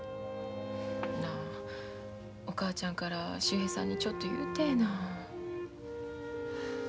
なあお母ちゃんから秀平さんにちょっと言うてえな。